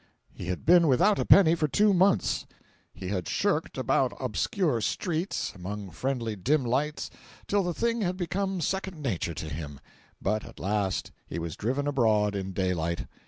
He had been without a penny for two months. He had shirked about obscure streets, among friendly dim lights, till the thing had become second nature to him. But at last he was driven abroad in daylight.